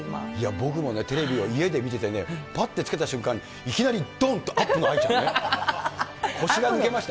僕もね、テレビを家で見ててね、ぱってつけた瞬間に、いきなり、どんとアップの愛ちゃんね、腰が抜けました。